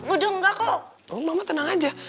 udah enggak kok mama tenang aja